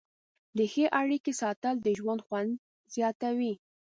د ښې اړیکې ساتل د ژوند خوند زیاتوي.